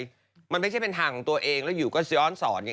มันไม่ใช่การเป็นฐานของตัวเองแล้วอยวกันซี่อ้อนศรอย่างนี้